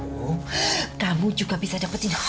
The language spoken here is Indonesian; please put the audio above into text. kamu kamu juga bisa dapetin harta dari bulara